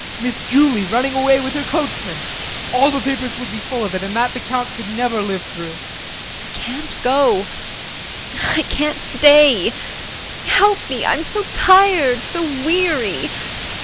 Miss Julie running away with her coachman? All the papers would be full of it and that the Count could never live through. JULIE. I can't go I can't stay. Help me, I'm so tired so weary.